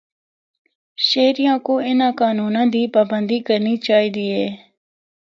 شہریاں کو اِناں قانوناں دی پابندی کرنی چاہی دی ہے۔